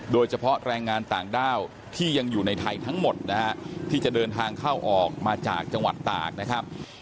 โดยเฉพาะแรงงานต่างด้าวที่ยังอยู่ในไทยทั้งหมดนะฮะที่จะเดินทางเข้าออกมาจากจังหวัดตากนะครับ